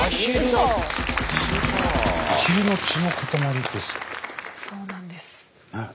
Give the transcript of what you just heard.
そうなんです。